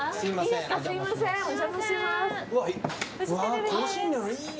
いいですか？